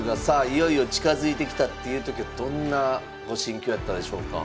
いよいよ近づいてきたっていう時はどんなご心境やったでしょうか？